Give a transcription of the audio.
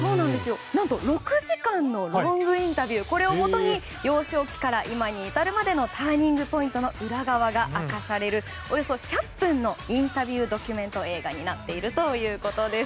何と６時間のロングインタビューをもとに幼少期から今に至るまでのターニングポイントの裏側が明かされる、およそ１００分のインタビュードキュメント映画になっているということです。